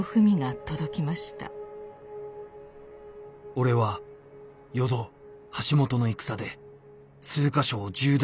「俺は淀橋本の戦で数か所を銃弾で負傷した。